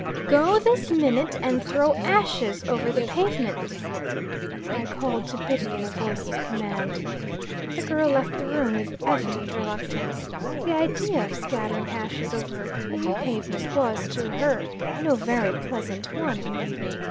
"Go this minute and throw ashes over the pavement!" I called to Biddy in a voice of command. The girl left the room with evident reluctance. The idea of scattering ashes over her clean pavement, was, to her, no very pleasant one.